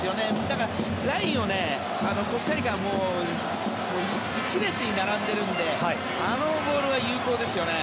だからラインを、コスタリカが１列に並んでいるのであのボールは有効ですよね。